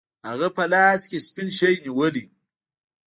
هغه په لاس کې سپین شی نیولی و.